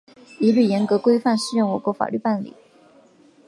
一律严格、规范适用我国法律办理